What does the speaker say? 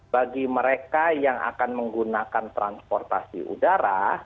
bagi mereka yang akan menggunakan transportasi udara